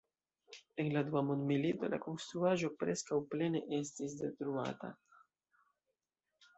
En la Dua Mondmilito la konstruaĵo preskaŭ plene estis detruata.